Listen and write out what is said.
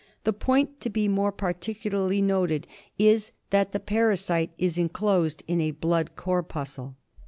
f The point to be more particularly noted is that the parasite is enclosed in a blood corpuscle.